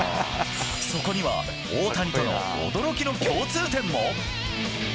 そこには大谷と驚きの共通点も？